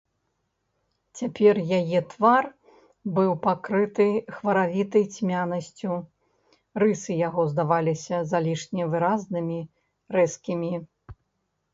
Цяпер яе твар быў пакрыты хваравітай цьмянасцю, рысы яго здаваліся залішне выразнымі, рэзкімі.